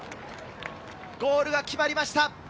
ゴールが決まりました。